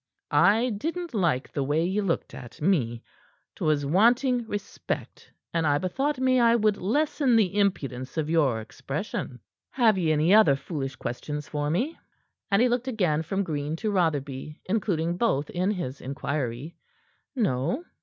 "I didn't like the way ye looked at me. 'Twas wanting respect, and I bethought me I would lessen the impudence of your expression. Have ye any other foolish questions for me?" And he looked again from Green to Rotherby, including both in his inquiry. "No?"